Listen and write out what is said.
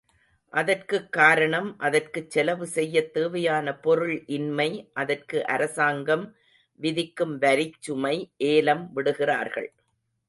அதற்குக் காரணம் அதற்குச் செலவு செய்யத் தேவையான பொருள் இன்மை அதற்கு அரசாங்கம் விதிக்கும் வரிச்சுமை, ஏலம் விடுகிறார்கள்.